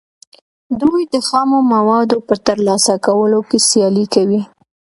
دوی د خامو موادو په ترلاسه کولو کې سیالي کوي